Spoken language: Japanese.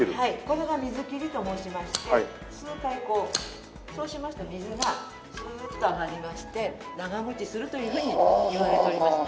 これが水切りと申しまして数回こうそうしますと水がスーッと上がりまして長持ちするというふうにいわれております。